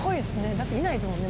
だっていないですもんね